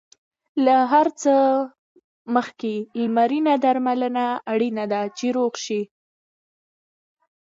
له هر څه مخکې لمرینه درملنه اړینه ده، چې روغ شې.